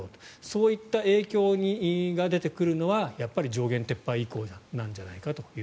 そういった影響が出てくるのはやっぱり上限撤廃以降なんじゃないかと。